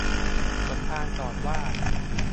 สมภารสอนว่า